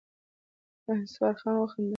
شهسوار خان وخندل.